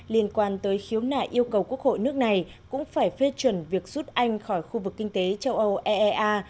liên quan tới khiếu nại yêu cầu quốc hội nước này cũng phải phê chuẩn việc rút anh khỏi khu vực kinh tế châu âu eea